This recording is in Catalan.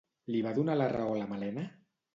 Li va donar la raó a la Malena?